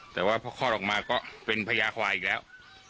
แต่ว่าพอคลอดออกมาก็เป็นพญาควายอีกแล้ว